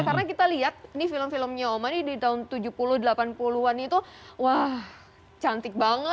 karena kita lihat nih film filmnya oma nih di tahun tujuh puluh an delapan puluh an itu wah cantik banget gitu ya